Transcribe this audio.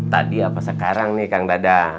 tadi apa sekarang nih kang dada